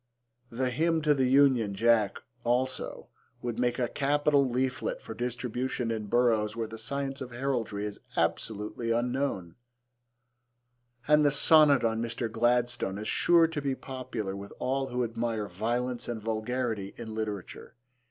The hymn to the Union Jack, also, would make a capital leaflet for distribution in boroughs where the science of heraldry is absolutely unknown, and the sonnet on Mr. Gladstone is sure to be popular with all who admire violence and vulgarity in literature.